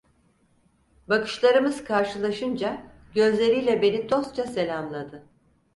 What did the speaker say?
Bakışlarımız karşılaşınca gözleriyle beni dostça selamladı.